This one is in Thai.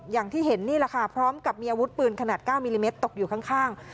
อย่างที่เห็นนี่แหละค่ะพร้อมกับมีอาวุธปืนขนาด๙มิลลิเมตรตกอยู่ข้าง